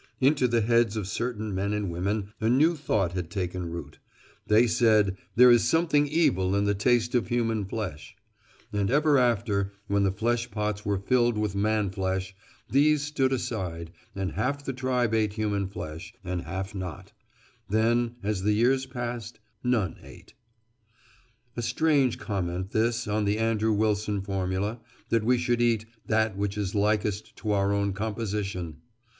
Into the heads of certain men and women a new thought had taken root; they said, 'There is something evil in the taste of human flesh.' And ever after, when the flesh pots were filled with man flesh, these stood aside, and half the tribe ate human flesh and half not; then, as the years passed, none ate." Footnote 53: "Trooper Peter Halket." A strange comment this on the Andrew Wilson formula, that we should eat "that which is likest to our own composition!"